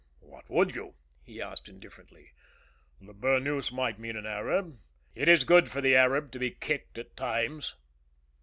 "What would you?" he asked, indifferently. "The burnous might mean an Arab. It is good for the Arab to be kicked at times."